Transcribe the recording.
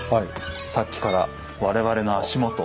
さっきから我々の足元。